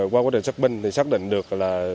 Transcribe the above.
qua quá trình xác minh xác định được là